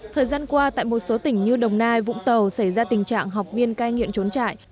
thời gian qua tại một số tỉnh như đồng nai vũng tàu xảy ra tình trạng học viên cai nghiện trốn trại